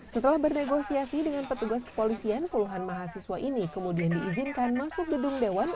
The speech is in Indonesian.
setelah bernegosiasi dengan petugas kepolisian puluhan mahasiswa ini kemudian diizinkan masuk gedung dewan